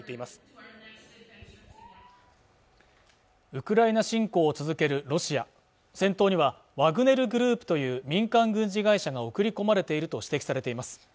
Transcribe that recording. ウクライナ侵攻を続けるロシア戦闘にはワグネルグループという民間軍事会社が送り込まれていると指摘されています